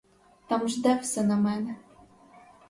Там жде все на мене!